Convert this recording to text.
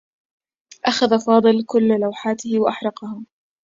أخذ فاضل كلّ لوحاته و أحرقها.